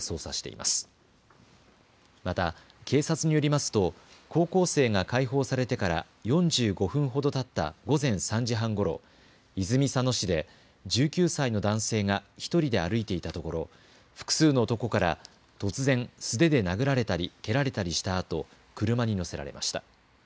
また警察によりますと高校生が解放されてから４５分ほどたった午前３時半ごろ泉佐野市で１９歳の男性が１人で歩いていたところ複数の男から突然、素手で殴られたり蹴られたりしたあと車に乗せられました。